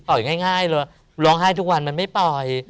ง่ายเลยร้องไห้ทุกวันมันไม่ปล่อย